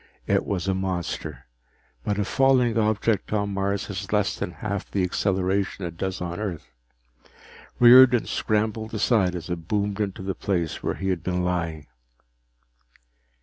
It was a monster, but a falling object on Mars has less than half the acceleration it does on Earth. Riordan scrambled aside as it boomed onto the place where he had been lying.